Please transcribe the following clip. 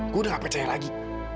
gue udah gak percaya lagi